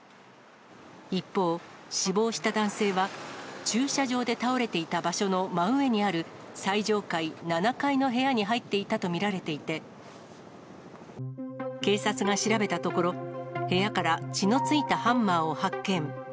一方、死亡した男性は、駐車場で倒れていた場所の真上にある最上階、７階の部屋に入っていたと見られていて、警察が調べたところ、部屋から血のついたハンマーを発見。